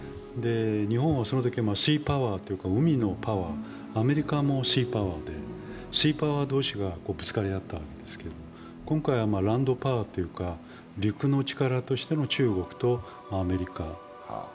日本はそのときはシーパワー、海のパワー、アメリカもシーパワーで、シーパワー同士がぶつかり合ったんですけれども、今回、ランドパワーというか陸の力としての中国とアメリカ。